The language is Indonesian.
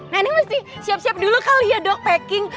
neneng mesti siap siap dulu kali ya dok packing